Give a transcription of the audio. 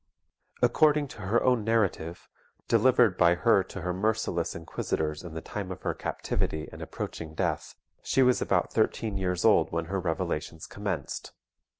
According to her own narrative, delivered by her to her merciless inquisitors in the time of her captivity and approaching death, she was about thirteen years old when her revelations commenced.